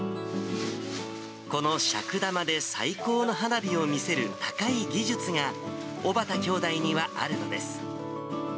この尺玉で最高の花火を見せる高い技術が、小幡兄弟にはあるのです。